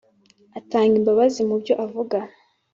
Atanga imbabazi mu byo avuga